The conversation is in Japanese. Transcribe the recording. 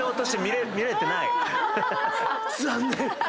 残念。